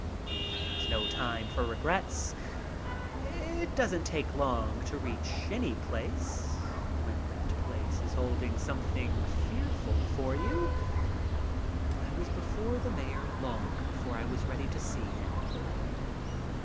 But there is little time for regrets. It doesn't take long HELLO! ENGLAND 41 to reach any place when that place is holding something fearful for you. I was before the mayor long before I was ready to see him.